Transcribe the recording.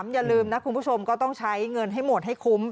อย่าลืมนะคุณผู้ชมก็ต้องใช้เงินให้หมดให้คุ้ม